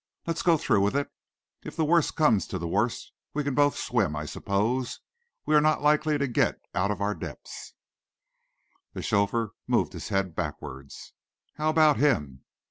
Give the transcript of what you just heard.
Let's go through with it. If the worst comes to the worst, we can both swim, I suppose, and we are not likely to get out of our depth." The chauffeur moved his head backwards. "How about him?"